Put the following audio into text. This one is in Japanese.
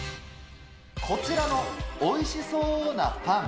こちらのおいしそうなパン。